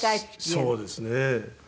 そうですね。